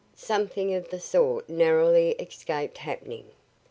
Something of the sort narrowly escaped happening.